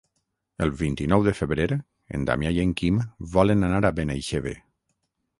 El vint-i-nou de febrer en Damià i en Quim volen anar a Benaixeve.